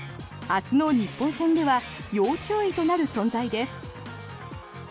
明日の日本戦では要注意となる選手です。